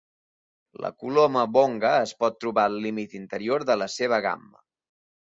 La coloma wonga es pot trobar al límit interior de la seva gamma.